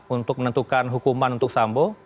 untuk menentukan hukuman untuk sambo